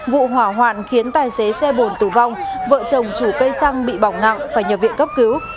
vụ hỏa hoạn khiến tài xế xe bồn tử vong vợ chồng chủ cây xăng bị bỏng nặng phải nhập viện cấp cứu